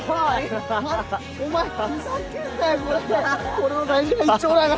俺の大事な一張羅が！